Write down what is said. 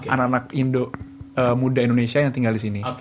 anak anak muda indonesia yang tinggal disini